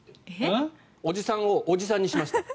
おじさんをおじさんにしました。